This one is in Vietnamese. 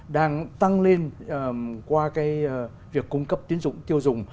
đang tăng lên qua cái việc cung cấp tiến dụng tiêu dùng